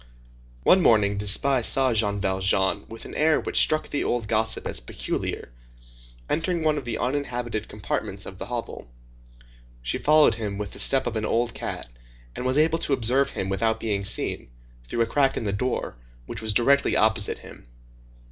One morning, this spy saw Jean Valjean, with an air which struck the old gossip as peculiar, entering one of the uninhabited compartments of the hovel. She followed him with the step of an old cat, and was able to observe him without being seen, through a crack in the door, which was directly opposite him.